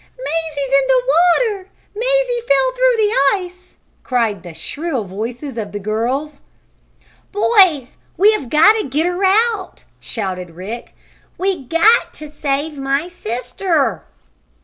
"Mazie's in the water! Mazie fell through the ice!" cried the shrill voices of the girls. "Boys, we've got to get her out!" shouted Rick. "We got to save my sister!"